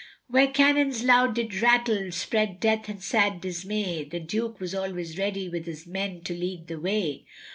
Where cannons loud did rattle, spread death and sad dismay, The Duke was always ready with his men to lead the way.